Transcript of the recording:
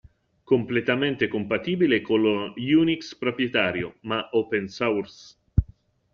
Completamente compatibile con lo Unix proprietario, ma Open Source.